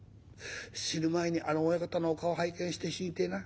死ぬ前にあの親方のお顔拝見して死にてえな。